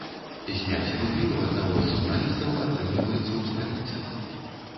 Зняць рублі ў аднаго з журналістаў атрымліваецца ў сталіцы.